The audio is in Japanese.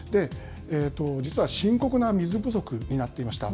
実は深刻な水不足になっていました。